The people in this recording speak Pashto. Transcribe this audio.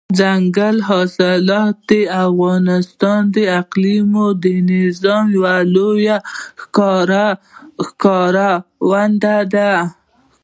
دځنګل حاصلات د افغانستان د اقلیمي نظام یوه لویه ښکارندوی ده.